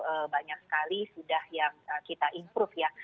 eee banyak sekali sudah yang kita improve ya